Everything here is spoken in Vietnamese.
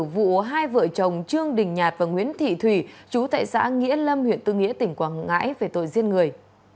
vụ hai vợ chồng trương đình nhạt và nguyễn thị thủy chú tại xã nghĩa lâm huyện tư nghĩa tỉnh quảng ngãi về tội giết người